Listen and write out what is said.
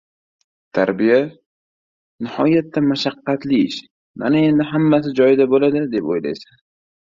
Tarbiya… nihoyatda mashaqqatli ish. Mana endi hammasi joyida bo‘ladi, deb o‘ylaysan!